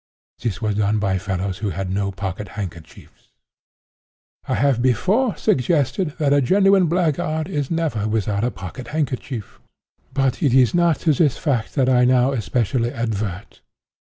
This was done by fellows who had no pocket handkerchiefs.' "I have before suggested that a genuine blackguard is never without a pocket handkerchief. But it is not to this fact that I now especially advert.